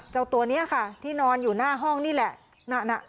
เจ้าตัวนี้ค่ะที่นอนอยู่หน้าห้องนี่แหละ